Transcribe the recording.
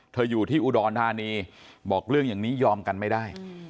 อยู่ที่อุดรธานีบอกเรื่องอย่างนี้ยอมกันไม่ได้